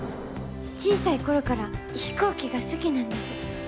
小さい頃から飛行機が好きなんです。